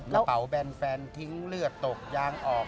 กระเป๋าแบนแฟนทิ้งเลือดตกยางออก